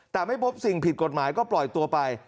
แต่ไม่พบสิ่งผิดกฎหมายก็ปล่อยตัวไป